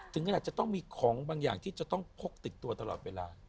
ถึงขนาดจะต้องมีของบางอย่างที่จะต้องพกติดตัวตลอดเวลา